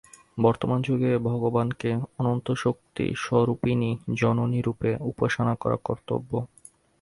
বর্তমান যুগে ভগবানকে অনন্তশক্তিস্বরূপিণী জননী-রূপে উপাসনা করা কর্তব্য।